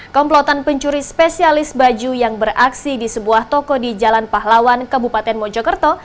komplotan pencuri spesialis baju yang beraksi di sebuah toko di jalan pahlawan kabupaten mojokerto